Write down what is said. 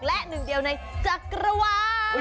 และหนึ่งเดียวในจักรวาล